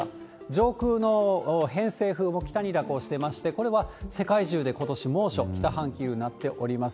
上空の偏西風も北に蛇行してまして、これは世界中でことし猛暑、北半球なっております。